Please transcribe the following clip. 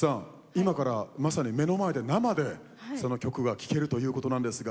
今からまさに目の前で生でその曲が聴けるということなんですが。